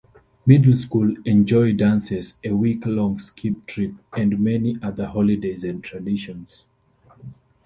Middle school enjoy dances, a week-long ski trip, and many other holidays and traditions.